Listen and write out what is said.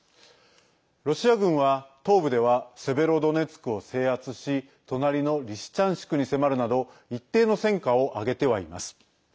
ロシア軍は東部ではセベロドネツクを制圧し隣のリシチャンシクに迫るなど一定の戦果を挙げてはいます。